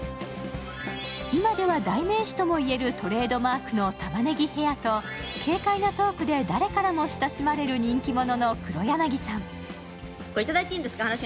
今では、代名詞ともいえるトレードマークのたまねぎヘアと軽快なトークで誰からも親しまれる人気者の黒柳さん。